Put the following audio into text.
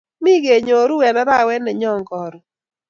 Mi kenyoru eng arawet nenyon karon